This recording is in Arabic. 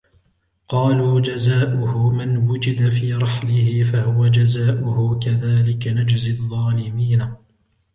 قالوا جزاؤه من وجد في رحله فهو جزاؤه كذلك نجزي الظالمين